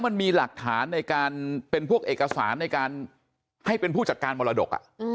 มันมีหลักฐานในการเป็นพวกเอกสารในการให้เป็นผู้จัดการมรดก